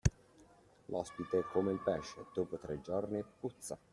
L'ospite è come il pesce: dopo tre giorni puzza.